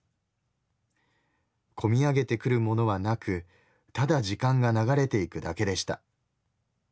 込み上げてくるものは無くただ時間が流れていくだけでした。